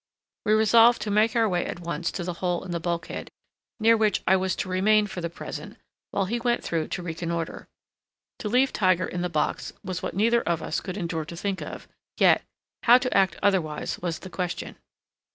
We resolved to make our way at once to the hole in the bulkhead, near which I was to remain for the present, while he went through to reconnoiter. To leave Tiger in the box was what neither of us could endure to think of, yet, how to act otherwise was the question.